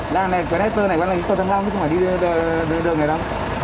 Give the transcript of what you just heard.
làng này quán hét tơ này đăng ký cầu thăng long chứ không phải đi đường này đâu